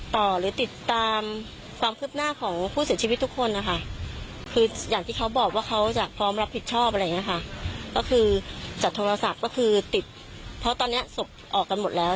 เพราะตอนนี้ศพออกกันหมดแล้ว